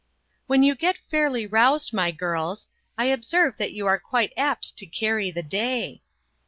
" When you get fairly roused, my girls, I observe that you are quite apt to carry the day."